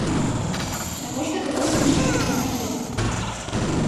Навошта кагосьці называць дармаедам?